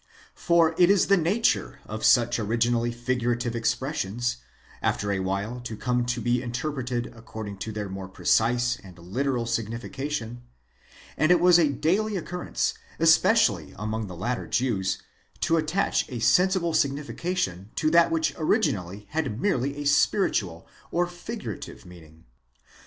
For it is the nature of such originally figurative expressions, after a while to come to be interpreted according to their more precise and literal signification ; and it was a daily occurrence, especially among the later Jews, to attach a sensible signification to that which originally had merely a spiritual or figurative meaning.